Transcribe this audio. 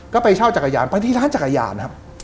ก็ไปเช่าจักรยานไปที่ร้านจักรยานครับ